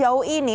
kalau sejauh ini